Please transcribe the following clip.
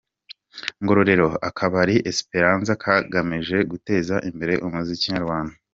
Ngororero Akabari Esiperanza kagamije guteza imbere umuziki nyarwanda